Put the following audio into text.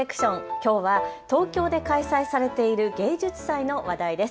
きょうは東京で開催されている芸術祭の話題です。